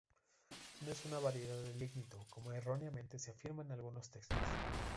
No es una variedad de lignito como erróneamente se afirma en algunos textos.